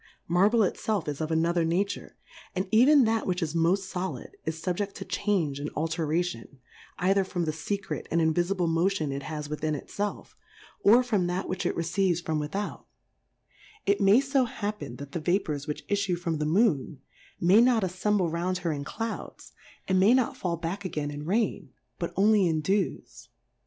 Marble it felf is of another Nature, and even that which is moft Solid, isfubjeft to change and alteration ; either from the fecret and invifible Motion it has within it felf, or from that which it re ceives from without ; It may fo happen that the Vapours which iifue from the the Moon, may not alTemble round her in Clouds, and may not fall back again E 2 ia 7 6 Difcourfes on the in Rain, but only in Dews.